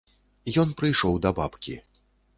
Ён прыйшоў да бабкі.